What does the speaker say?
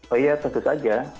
oh iya tentu saja